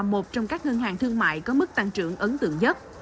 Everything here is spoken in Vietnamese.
một trong các ngân hàng thương mại có mức tăng trưởng ấn tượng nhất